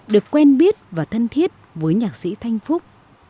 được quen biết và thân thiết với nhạc sĩ thanh phúc